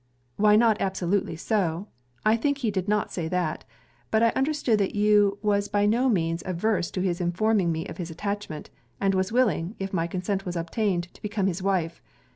'Why not absolutely so. I think he did not say that. But I understood that you was by no means averse to his informing me of his attachment, and was willing, if my consent was obtained, to become his wife.